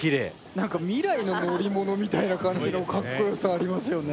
何か未来の乗り物みたいな感じのかっこよさありますよね。